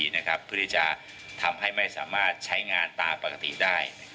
เพื่อที่จะทำให้ไม่สามารถใช้งานตามปกติได้